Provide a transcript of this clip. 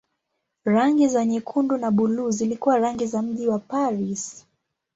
Rangi za nyekundu na buluu zilikuwa rangi za mji wa Paris.